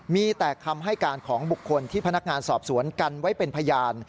มีแต่คำให้การของบุคคลที่พนักงานสอบสวนกันไว้เป็นพยาน